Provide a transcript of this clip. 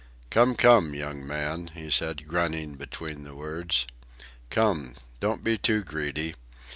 "Come, come, young man," he said, grunting between the words. "Come! Don't be too greedy.